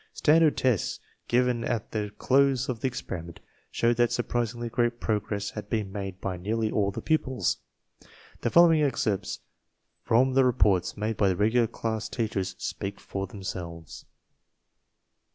Standard tests given at the close of the experiment showed that surprisingly great progress had been made by nearly all the pupils. The following ex cerpts from the reports made by the regular class teach ers speak for themselves.